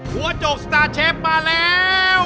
หัวโจกสตาร์เชฟมาแล้ว